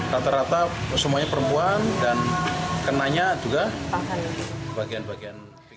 rata rata semuanya perempuan dan kenanya juga pangkal